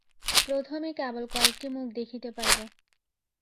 প্রথমে কেবল কয়েকটি মুখ দেখিতে পাইব।